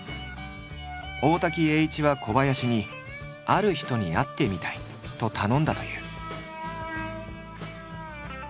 大滝詠一は小林に「ある人に会ってみたい」と頼んだという。